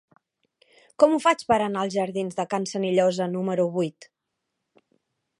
Com ho faig per anar als jardins de Can Senillosa número vuit?